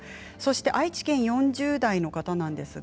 愛知県４０代の方です。